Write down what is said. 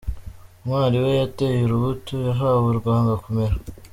Ntwari we yateye urubuto yahawe, rwanga kumera.